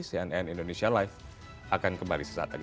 cnn indonesia live akan kembali sesaat lagi